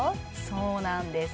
そうなんです